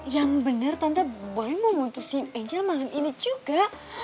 yang bener tante boy mau putusin angel malam ini juga